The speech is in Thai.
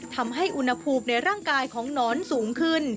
ทำให้อุณหภูมิในร่างกายของหนอนสูงขึ้น